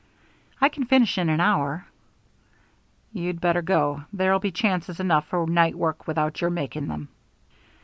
"I can finish in an hour." "You'd better go. There'll be chances enough for night work without your making them."